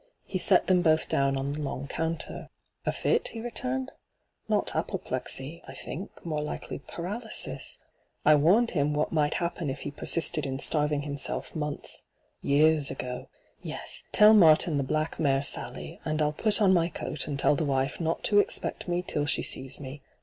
He set them both down on the long counter. 'A fit ?' he returned. ' Not apoplexy — I think, more likely paralysis. I warned hiiji what might happen if he persisted in starving himself months — years ago. Yes ; tell Martin the black mare Sally, and I'll put on my coat and tell the wife not to expect me till she sees me.